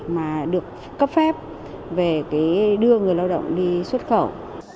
mà được cấp phép về đưa người lao động đi xuất khẩu